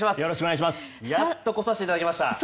やっと来させていただきました。